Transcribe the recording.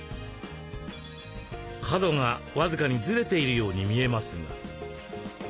角が僅かにずれているように見えますが。